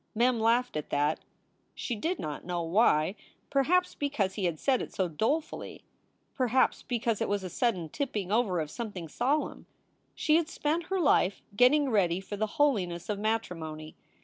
Mem laughed at that. She did not know why. Perhaps because he had said it so dolefully. Perhaps because it was a sudden tipping over of something solemn. She had spent her life getting ready for the holiness of matrimony.